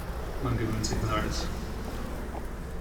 Man gewöhnt sich an alles.